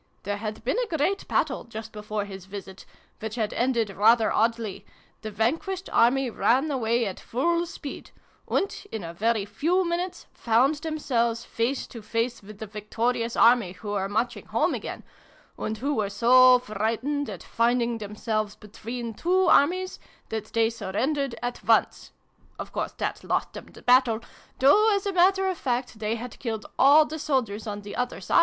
There had been a great battle, just before his visit, which had ended rather oddly : the vanquished army ran away at full speed, and in a very few minutes found themselves face to face with the victorious army, who were marching home again, and who were so frightened at finding themselves between two armies, that they surrendered at once ! Of course that lost them the battle, though, as a matter of fact, they had killed all the soldiers on the other side."